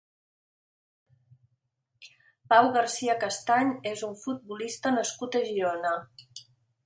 Pau Garcia Castany és un futbolista nascut a Girona.